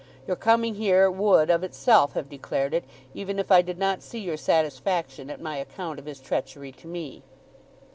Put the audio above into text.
Your coming here would of itself have declared it, even if I did not see your satisfaction at my account of his treachery to me."